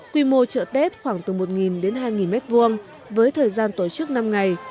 quy mô chợ tết khoảng từ một đến hai m hai với thời gian tổ chức năm ngày